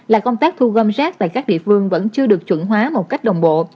là công tác thu gom rác tại các địa phương vẫn chưa được chuẩn hóa một cách đồng bộ